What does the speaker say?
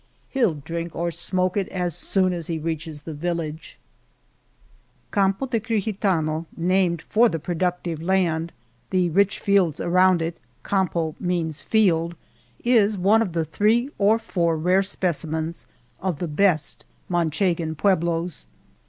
He'll drink or smoke it as soon as he reaches the village." 148 El Toboso Campo de Crijitano, named for the pro ductive land, the rich fields around it (campo field), is one of the three or four rare specimens of the best Manchegan pue blos.